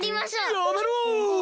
やめろ！